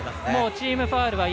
チームファウルは４。